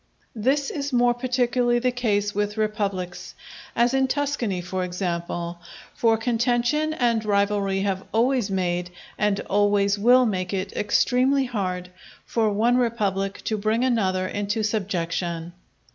This is more particularly the case with republics, as in Tuscany for example; for contention and rivalry have always made, and always will make it extremely hard for one republic to bring another into subjection.